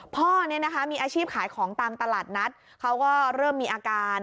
พ่อเนี่ยนะคะมีอาชีพขายของตามตลาดนัดเขาก็เริ่มมีอาการ